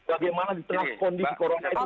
bagaimana di tengah kondisi korupsi